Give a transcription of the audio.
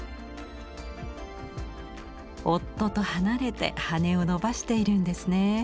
夫と離れて羽を伸ばしているんですね。